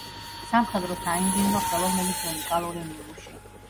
სამხედრო საინჟინრო ხელოვნების უნიკალური ნიმუში.